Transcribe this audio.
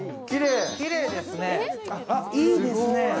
いいですね。